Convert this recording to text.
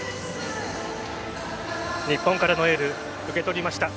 日本からのエール受け取りました。